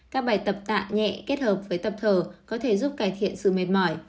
các bài tập tạ nhẹ kết hợp với tập thở có thể giúp cải thiện sự mệt mỏi